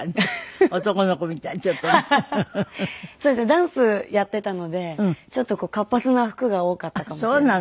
ダンスやっていたのでちょっと活発な服が多かったかもしれないです。